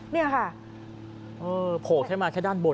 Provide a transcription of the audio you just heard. นี่ค่ะโผล่ใช้มาใช้ด้านบน